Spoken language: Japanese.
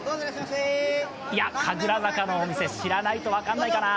いや、神楽坂のお店、知らないと分からないかな。